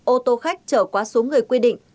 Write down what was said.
ô tô khách chở quá số người quy định